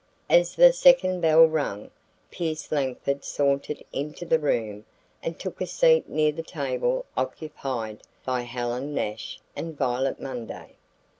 As the second bell rang, Pierce Langford sauntered into the room and took a seat near the table occupied by Helen Nash and Violet Munday.